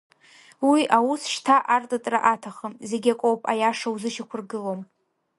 Уи аус шьҭа артытра аҭахым, зегьакоуп аиаша узышьақәыргылом.